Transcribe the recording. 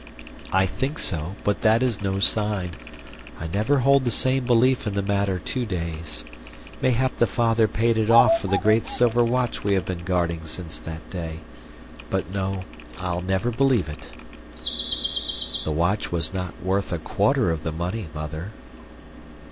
"I think so, but that is no sign. I never hold the same belief in the matter two days. Mayhap the father paid it off for the great silver watch we have been guarding since that day. But, no I'll never believe it." "The watch was not worth a quarter of the money, Mother."